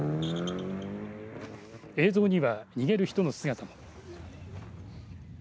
映像には逃げる人の姿も。